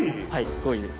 ２位です。